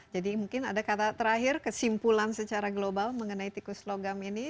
jadi mungkin ada kata terakhir kesimpulan secara global mengenai tikus logam ini